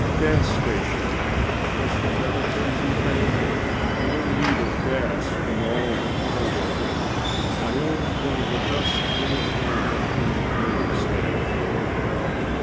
"Gas station. Wasn't that a crazy thing? No need of gas when all the cars quit. I owned one on the best little corner in Marysvale."